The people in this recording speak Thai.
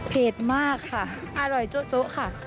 เผ็ดมากค่ะอร่อยโจ๊กค่ะ